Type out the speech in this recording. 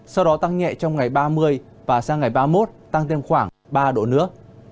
sau đó tăng nhẹ trong ngày ba mươi và sang ngày ba mươi một tăng thêm khoảng ba độ nữa